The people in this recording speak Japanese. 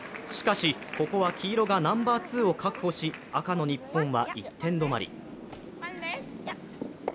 しかしここは黄色がナンバー２を確保し、赤の日本は１点止まり。